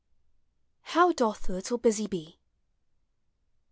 HOW DOTH THE LITTLE BUSY BEE.